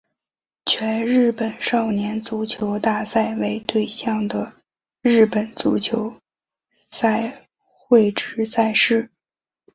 全日本少年足球大赛为对象的日本足球赛会制赛事。